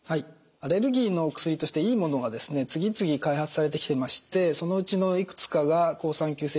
アレルギーの薬としていいものが次々開発されてきてましてそのうちのいくつかが好酸球性中耳炎にも効くと。